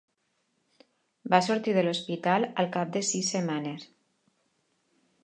Va sortir de l'hospital al cap de sis setmanes.